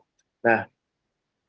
jadi memang masih sangat besar